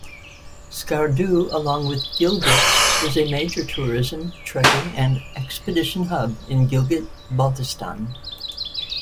Skardu, along with Gilgit, is a major tourism, trekking and expedition hub in Gilgit-Baltistan.